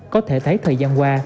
có thể thấy thời gian qua